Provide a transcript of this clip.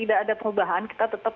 tidak ada perubahan kita tetap